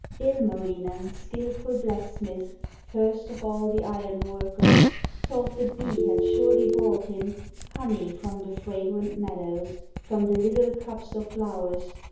Ilmarinen, skillful blacksmith, First of all the iron workers, Thought the bee had surely brought him Honey from the fragrant meadows, From the httle cups of flowers.